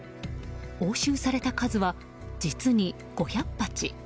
押収された数は、実に５００鉢。